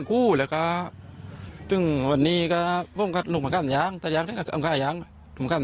หรือว่าครับด้วยความรักมันแค่ตามมาช่วยกัน